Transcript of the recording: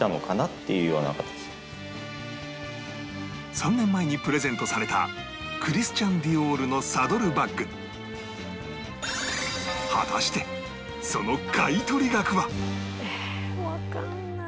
３年前にプレゼントされたクリスチャン・ディオールのサドルバッグええーわかんない。